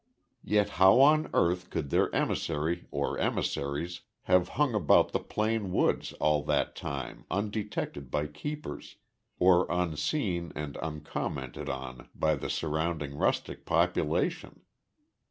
Yet how on earth could their emissary or emissaries have hung about the Plane woods all that time undetected by keepers, or unseen and uncommented on by the surrounding rustic population?